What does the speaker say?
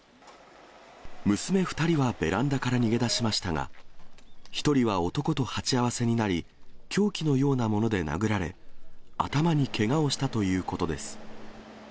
娘２人はベランダから逃げ出しましたが、１人は男と鉢合わせになり、凶器のようなもので殴られ、頭にけがをしたということです。